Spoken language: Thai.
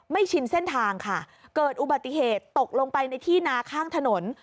ชินเส้นทางค่ะเกิดอุบัติเหตุตกลงไปในที่นาข้างถนน